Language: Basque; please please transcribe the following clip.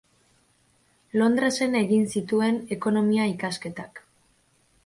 Londresen egin zituen ekonomia ikasketak.